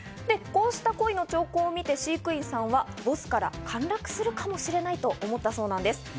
こうした恋の兆候を見て飼育員さんはボスから陥落するかもしれないと思ったそうなんです。